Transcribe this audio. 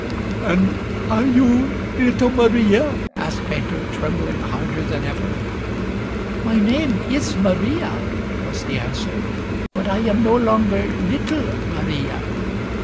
" And are you little Maria ?" asked Peter, trem bling harder than ever. " My name is Maria," was the answer, " but I am no longer little Maria."